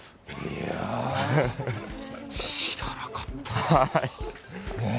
いや、知らなかった。